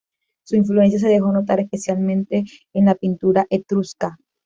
Su influencia se dejó notar especialmente en la pintura etrusca.